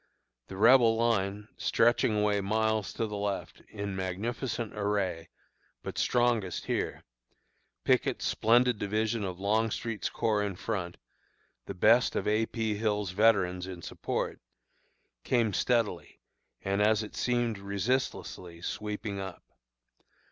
The Rebel line, stretching away miles to the left, in magnificent array, but strongest here Pickett's splendid division of Longstreet's corps in front, the best of A. P. Hill's veterans in support came steadily, and as it seemed resistlessly, sweeping up.